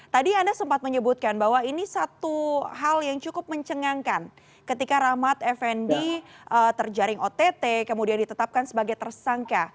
tadi anda sempat menyebutkan bahwa ini satu hal yang cukup mencengangkan ketika rahmat effendi terjaring ott kemudian ditetapkan sebagai tersangka